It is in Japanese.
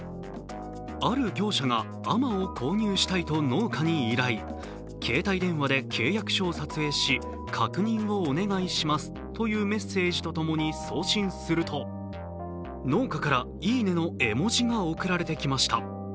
ある業者が亜麻を購入したいと農家に依頼、携帯電話で契約書を撮影し確認をお願いしますというメッセージとともに送信すると農家から「いいね」の絵文字が送られてきました。